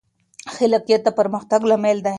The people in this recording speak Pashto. خلاقیت د پرمختګ لامل دی.